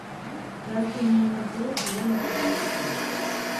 Han, gazte neonaziek irainka jaso zuten.